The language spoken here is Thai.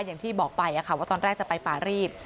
อย่างที่บอกไปว่าตอนแรกจะไปป่ารีด